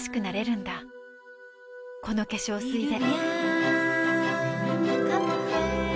この化粧水で